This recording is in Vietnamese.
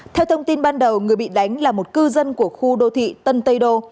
theo thông tin ban đầu người bị đánh là một cư dân của khu đô thị tân tây đô